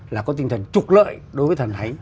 là có tinh thần trục lợi đối với thần háy